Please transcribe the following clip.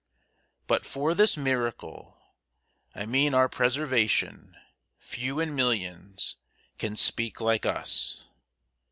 But for this miracle I mean our preservation few in millions Can speak like us.